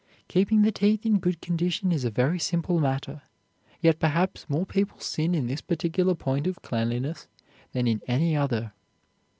Keeping the teeth in good condition is a very simple matter, yet perhaps more people sin in this particular point of cleanliness than in any other.